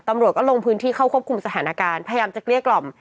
ตำรวจก็ลงพื้นที่เข้าควบคุมสถานการณ์พยายามจะเกลี้ยกล่อม